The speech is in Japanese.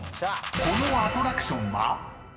［このアトラクションは？］